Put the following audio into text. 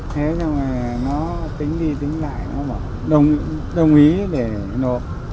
thế thì nó tính đi tính lại nó bảo đồng ý để nộp